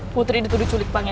putri dituduh culik pangeran